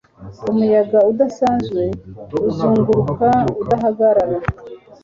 Umuyaga udasanzwe uzunguruka udahagarara